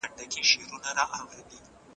نظري ټولنپوهنه د حقایقو رښتينې هنداره ده.